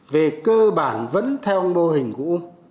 về cơ bản vẫn theo mô hình cũ